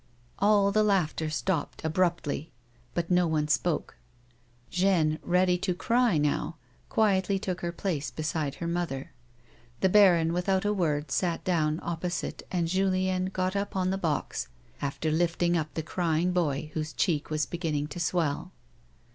All the laughter stopped abruptly, but no one spoke. Jeanne, ready to cry now, quietly took her place beside her mother. The baron, without a word, sat down opposite, and Julien got up on the box, after lifting up the crying boy whose cheek was beginning to swell.